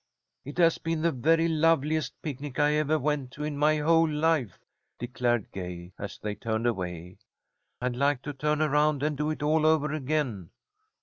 "It has been the very loveliest picnic I ever went to in my whole life," declared Gay, as they turned away. "I'd like to turn around and do it all over again."